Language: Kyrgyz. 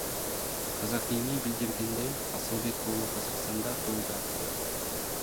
Казак ИИМи билдиргендей, Асылбек уулу Казакстанда туулган.